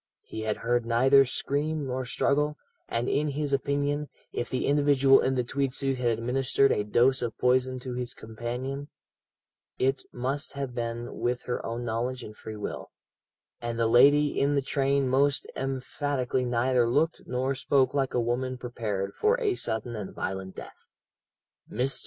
He had heard neither scream nor struggle, and in his opinion, if the individual in the tweed suit had administered a dose of poison to his companion, it must have been with her own knowledge and free will; and the lady in the train most emphatically neither looked nor spoke like a woman prepared for a sudden and violent death. "Mr.